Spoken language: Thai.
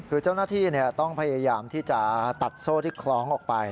คือเจ้าหน้าที่ต้องพยายามที่จะตัดโซ่ที่คล้องออกไป